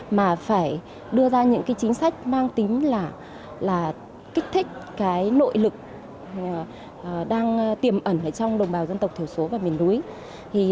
mà phải đưa ra những chính sách mang tính là kích thích nội lực đang tiềm ẩn trong đồng bào dân tộc thiểu số và miền núi